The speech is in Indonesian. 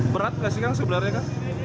berat nggak sih kan sebenarnya